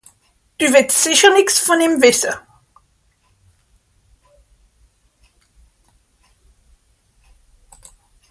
Dü wìtt sìcher nìx vùm wìsse ?